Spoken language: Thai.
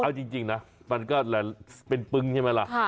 เอาจริงนะมันก็เป็นปึ้งใช่ไหมล่ะ